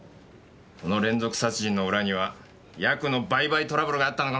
この連続殺人の裏にはヤクの売買トラブルがあったのかもしれないね。